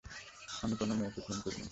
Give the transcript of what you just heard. আমি কোনো মেয়েকে খুন করিনি!